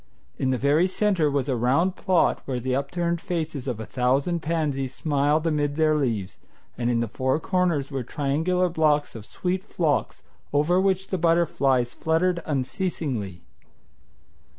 In the very centre was a round plot where the upturned faces of a thousand pansies smiled amid their leaves, and in the four corners were triangular blocks of sweet phlox over which the butterflies fluttered unceasingly.